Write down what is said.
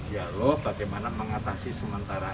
ya loh bagaimana mengatasi sementara